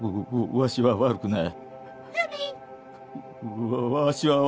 ワシは悪くない。